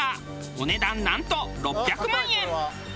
お値段なんと６００万円！